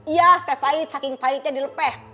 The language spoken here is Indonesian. iya teh pahit saking pahitnya dilepeh